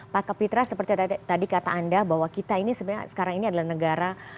pak kapitra seperti tadi kata anda bahwa kita ini sebenarnya sekarang ini adalah negara